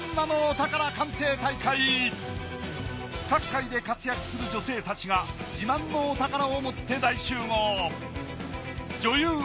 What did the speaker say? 各界で活躍する女性達が自慢のお宝をもって大集合女優